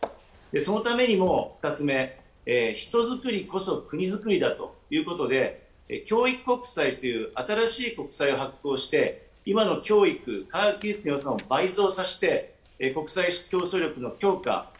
そのためにも、２つ目、人づくりこそ国づくりだということで、教育国債という新しい国債を発行して今の教育を倍増させて、国際競争力の強化